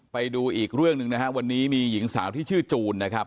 ไปดูอีกเรื่องหนึ่งนะฮะวันนี้มีหญิงสาวที่ชื่อจูนนะครับ